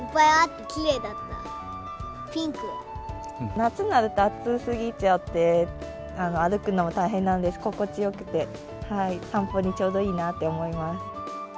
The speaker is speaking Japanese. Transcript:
夏になると暑すぎちゃって、歩くのも大変なんで、心地よくて、散歩にちょうどいいなって思います。